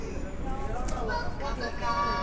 ぽっかぽか。